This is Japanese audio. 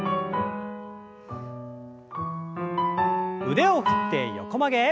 腕を振って横曲げ。